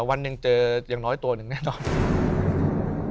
วันหนึ่งเจออย่างน้อยตัวหนึ่งแน่นอน